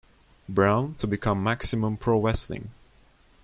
Brown, to become Maximum Pro Wrestling.